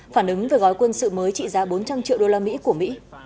phản ứng về gói quân sự mới trị giá bốn trăm linh triệu đô la mỹ của mỹ